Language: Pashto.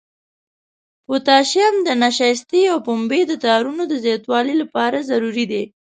پوتاشیم د نشایستې او پنبې د تارونو د زیاتوالي لپاره ضروري دی.